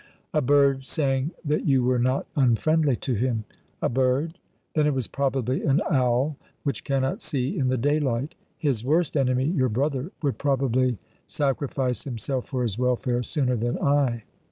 "A bird sang that you were not unfriendly to him." "A bird? Then it was probably an owl, which cannot see in the daylight. His worst enemy, your brother, would probably sacrifice himself for his welfare sooner than I."